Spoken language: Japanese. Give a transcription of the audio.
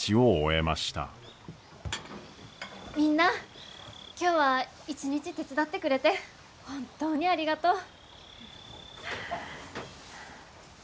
みんな今日は一日手伝ってくれて本当にありがとう！